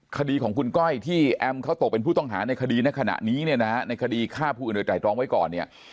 คดีของคุณก้อยที่แอมเขาตกเป็นผู้ต้องหาในคดีในขณะนี้เนี่ยนะในคดีฆ่าผู้อื่นโดยไตรตรองไว้ก่อนเนี่ย